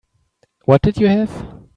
What did you have?